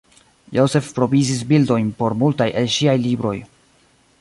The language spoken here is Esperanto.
Joseph provizis bildojn por multaj el ŝiaj libroj.